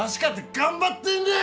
頑張ってんねん。